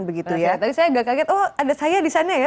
tadi saya tidak kaget oh ada saya disana ya